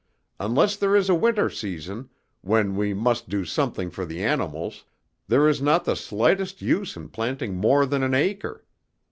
Unless there is a winter season, when we must do something for the animals, there is not the slightest use in planting more than an acre.